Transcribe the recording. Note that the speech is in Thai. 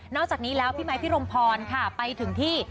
อกจากนี้แล้วพี่ไม้พี่รมพรค่ะไปถึงที่